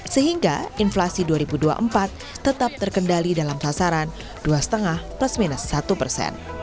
sehingga inflasi dua ribu dua puluh empat tetap terkendali dalam sasaran dua lima plus minus satu persen